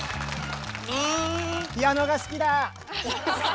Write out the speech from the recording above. ピアノが好きだ！